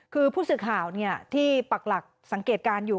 คือผู้สื่อข่าวที่ปักหลักสังเกตการณ์อยู่